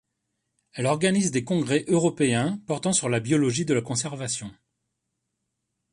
Elle organise des congrès européens portant sur la biologie de la conservation.